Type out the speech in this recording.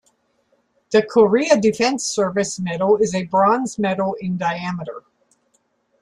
The Korea Defense Service Medal is a bronze medal in diameter.